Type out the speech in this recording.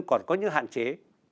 còn có những hạn chế